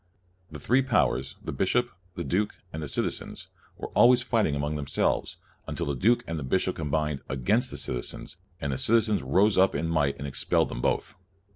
The three powers the bishop, the duke, and the citizens, were always fighting among themselves, until the duke and the bishop combined against the citizens, and the citizens rose up in might and expelled them both.